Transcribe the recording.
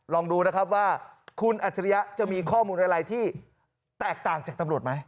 ลองดูนะครับว่าคุณอัจฉริยะจะมีข้อมูลอะไรที่แตกต่างจากตำรวจไหม